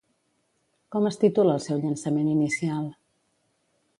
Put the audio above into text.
Com es titula el seu llançament inicial?